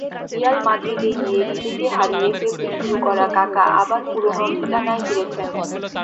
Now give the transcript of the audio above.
Real মাদ্রিদে গিয়ে নিজেকে হারিয়ে ফেলতে শুরু করা কাকা আবার পুরোনো ঠিকানায় ফিরেছেন।